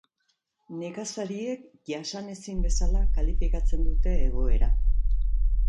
Nekazariek jasanezin bezala kalifikatzen dute egoera.